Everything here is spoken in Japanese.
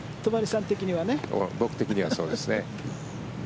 僕的にはそうですね。